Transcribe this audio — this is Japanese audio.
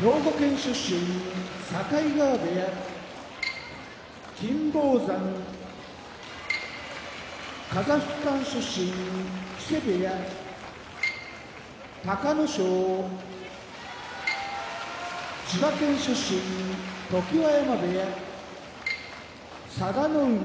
兵庫県出身境川部屋金峰山カザフスタン出身木瀬部屋隆の勝千葉県出身常盤山部屋佐田の海